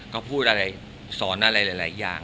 เขาพูดอะไรสอนอะไรหลายอย่าง